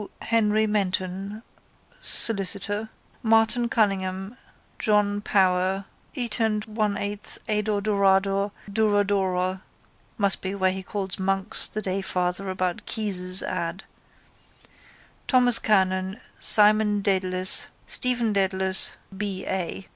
Henry Menton, solr, Martin Cunningham, John Power, eatondph 1/8 ador dorador douradora_ (must be where he called Monks the dayfather about Keyes's ad) _Thomas Kernan, Simon Dedalus, Stephen Dedalus B. A.